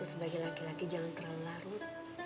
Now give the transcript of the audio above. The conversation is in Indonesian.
lo tuh sebagai laki laki jangan terlalu larut